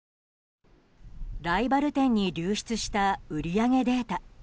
ライバル店に流出した売り上げデータ。